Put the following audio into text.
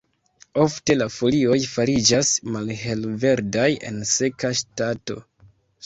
Ofte la folioj fariĝas malhelverdaj en seka stato.